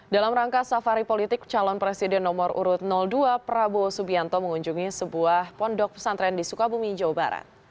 dalam rangka safari politik calon presiden nomor urut dua prabowo subianto mengunjungi sebuah pondok pesantren di sukabumi jawa barat